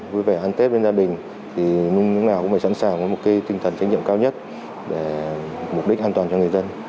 vui vẻ ăn tết bên gia đình thì lúc nào cũng phải sẵn sàng có một cái tinh thần trách nhiệm cao nhất để mục đích an toàn cho người dân